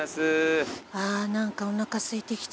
あ何かおなかすいてきちゃった。